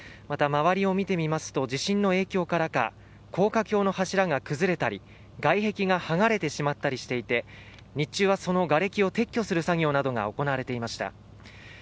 また、周りを見てみますと地震の影響からか高架橋の柱が崩れたり外壁が剥がれてしまったりしていて日中は、そのがれきを撤去する作業などが行われていました。